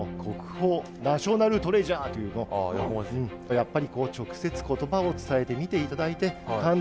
やっぱりこう直接言葉を伝えて見て頂いて感動してもらう。